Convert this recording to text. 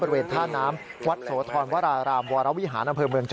บริเวณท่าน้ำวัดโสธรวรรารามวรวิหาร